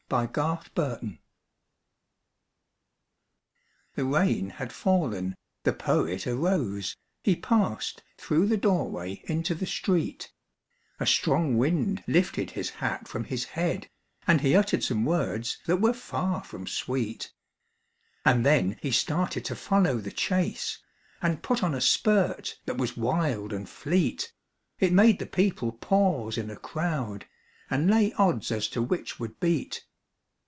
THE POET'S HAT The rain had fallen, the Poet arose, He passed through the doorway into the street, A strong wind lifted his hat from his head, And he uttered some words that were far from sweet. And then he started to follow the chase, And put on a spurt that was wild and fleet, It made the people pause in a crowd, And lay odds as to which would beat.